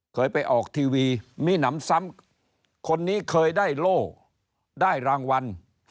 เคยไปออกทีวีมีหนำซ้ำคนนี้เคยได้โล่ได้รางวัล